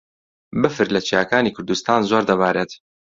بەفر لە چیاکانی کوردستان زۆر دەبارێت.